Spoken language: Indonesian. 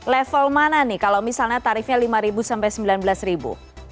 level mana nih kalau misalnya tarifnya rp lima sampai sembilan belas